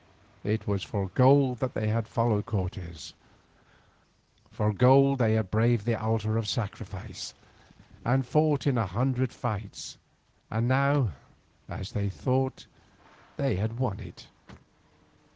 It was for gold that they had followed Cortes; for gold they had braved the altar of sacrifice and fought in a hundred fights, and now, as they thought, they had won it.